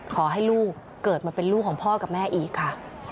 ขอให้ลูกเกิดมาเป็นลูกของพ่อกับแม่อีกค่ะ